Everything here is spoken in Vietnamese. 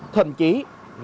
thậm chí rác chất thành đóng